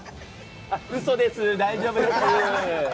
嘘です、大丈夫です！